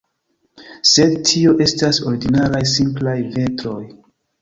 Sed tio estas ordinaraj, simplaj vitroj.